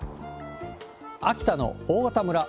秋田の大潟村。